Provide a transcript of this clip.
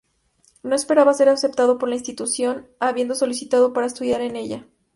No esperaba ser aceptado por la institución, habiendo solicitado para estudiar en ella.